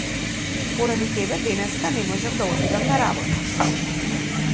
Поради тебе денеска не можев да отидам на работа.